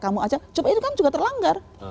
kamu aja cuma itu kan juga terlanggar